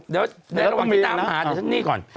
เดี๋ยวระวังที่น้ำหานี่ก่อน